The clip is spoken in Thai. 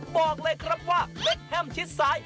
บอกเลยครับว่าเบคแฮมชิดซ้าย